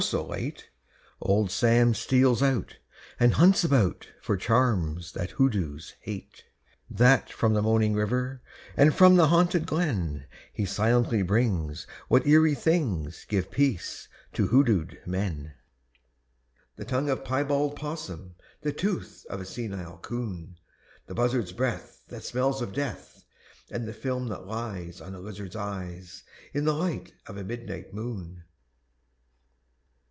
so late, Old Sam steals out And hunts about For charms that hoodoos hate! That from the moaning river And from the haunted glen He silently brings what eerie things Give peace to hoodooed men: _The tongue of a piebald 'possum, The tooth of a senile 'coon, The buzzard's breath that smells of death, And the film that lies On a lizard's eyes In the light of a midnight moon!